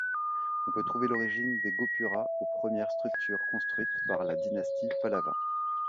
On peut trouver l'origine des gopuras aux premières structures construites par la dynastie Pallava.